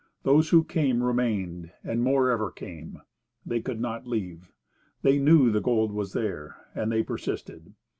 Those who came remained, and more ever came. They could not leave. They "knew" the gold was there, and they persisted.